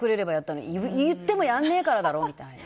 言ってもやんねえからだろ！みたいな。